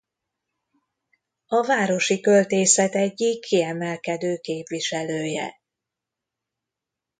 A városi költészet egyik kiemelkedő képviselője.